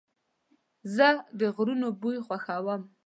زه د غرونو بوی خوښوم.